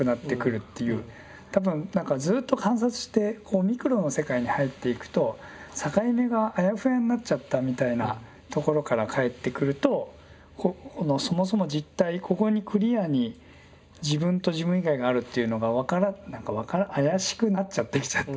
多分何かずっと観察してこうミクロの世界に入っていくと境目があやふやになっちゃったみたいなところからかえってくるとこのそもそも実体ここにクリアに自分と自分以外があるっていうのが何か怪しくなっちゃってきちゃった。